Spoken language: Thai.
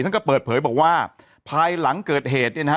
ท่านก็เปิดเผยบอกว่าภายหลังเกิดเหตุเนี่ยนะฮะ